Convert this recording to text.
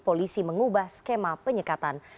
polisi mengubah skema penyekatan